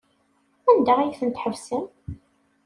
Anda ay ten-tḥebsem?